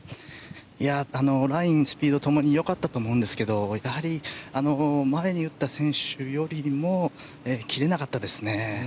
ライン、スピード共に良かったと思いますがやはり前に打った選手よりも切れなかったですね。